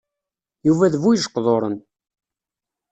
Yuba d bu-ijeqduṛen.